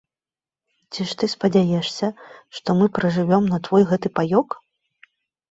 Ці ж ты спадзяешся, што мы пражывём на твой гэты паёк?